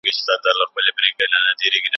باید هېڅکله له کمزوري چا سره بد ونه کړو.